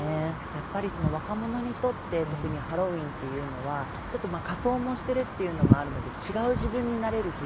やっぱり若者にとって、特にハロウィーンっていうのは、ちょっと仮装もしてるっていうのもあるので、違う自分になれる日。